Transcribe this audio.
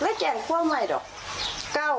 แล้วแจ้งความวัยดอก